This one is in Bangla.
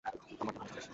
আমারটা তো বেচা শেষ।